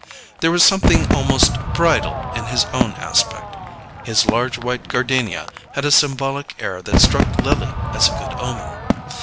There was something almost bridal in his own aspect: his large white gardenia had a symbolic air that struck Lily as a good omen.